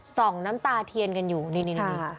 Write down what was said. น้ำตาเทียนกันอยู่นี่